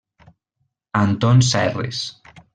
Anton Serres.